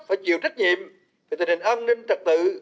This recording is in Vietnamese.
phải chịu trách nhiệm về tình hình an ninh trật tự